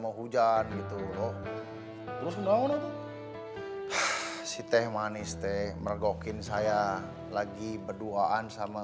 mau hujan gitu loh terus menangis siteh manis teh mergokin saya lagi berduaan sama